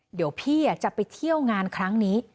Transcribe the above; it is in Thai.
เดี๋ยวพี่จะไปเที่ยวงานครั้งนี้